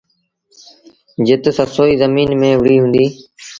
جت سسئيٚ زميݩ ميݩ وُهڙيٚ هُݩديٚ۔